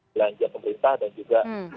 belanja pemerintah dan juga